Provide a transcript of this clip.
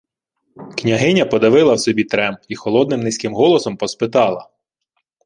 Княгиня подавила в собі трем і холодним низьким голосом поспитала: